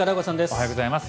おはようございます。